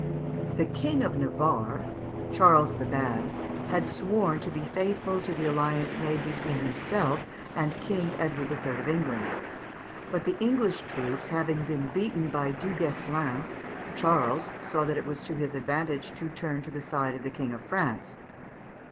The King of Navarre, Charles the Bad, had sworn to be faithful to the alliance made between himself and King Edward III. of England; but the English troops having been beaten by Du Guesclin, Charles saw that it was to his advantage to turn to the side of the King of France.